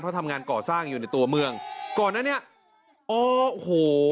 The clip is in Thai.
เพราะทำงานก่อสร้างอยู่ในตัวเมืองก่อนนั้นเนี้ยอ๋อโอ้โห